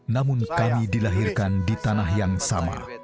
namun kami dilahirkan di tanah yang sama